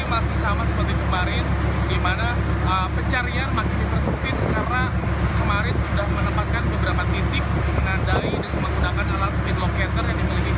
maka tidak menutup kemungkinan hari ini bisa menemukan robot atau tidak robot otomatis